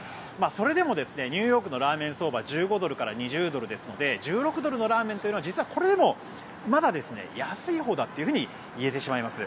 それでもニューヨークのラーメン相場は１５ドルから２０ドルですので１６ドルのラーメンというのは実はこれでもまだ安いほうだと言えてしまいます。